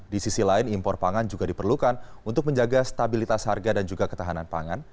di sisi lain impor pangan juga diperlukan untuk menjaga stabilitas harga dan juga ketahanan pangan